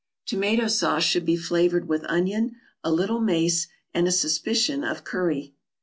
Tomato sauce should be flavored with onion, a little mace, and a suspicion of curry.